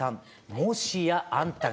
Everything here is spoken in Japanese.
「もしや・・・あんたが」。